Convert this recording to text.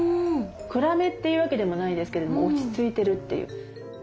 暗めというわけでもないですけれども落ち着いてるという。